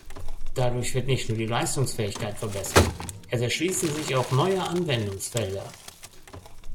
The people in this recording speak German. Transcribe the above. Dadurch wird nicht nur die Leistungsfähigkeit verbessert, es erschließen sich auch neue Anwendungsfelder.